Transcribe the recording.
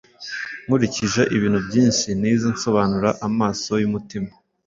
Nkurikije ibintu byinshi nize, nsobanura “amaso y’umutima”